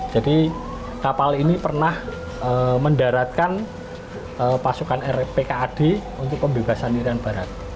jadi kapal ini pernah mendaratkan pasukan pkad untuk pembebasan nirian barat